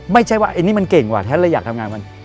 ไม่ใช่ว่าอันนี้มันเก่งว่ะแท้เลยอยากทำงานมัน